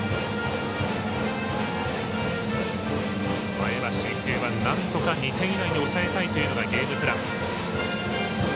前橋育英はなんとか２点以内に抑えたいというがゲームプラン。